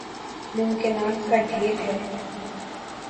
ممکنات کا ڈھیر ہے۔